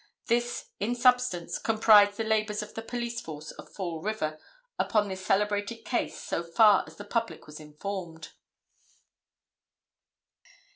This, in substance, comprised the labors of the police force of Fall River upon this celebrated case so far as the public was informed.